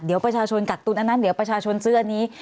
เดี๋ยวประชาชนกักตุนอันนั้นเดี๋ยวประชาชนซื้ออันนี้